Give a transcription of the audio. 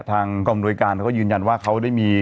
ทางกรรมนวยการก็ยืนยันว่าเขาได้มี